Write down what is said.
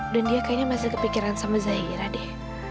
dan dia kayaknya masih kepikiran sama zahira deh